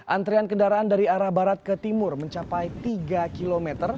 antrian kendaraan dari arah barat ke timur mencapai tiga km